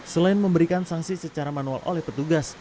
selain memberikan sanksi secara manual oleh petugas